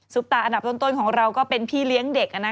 ตาอันดับต้นของเราก็เป็นพี่เลี้ยงเด็ก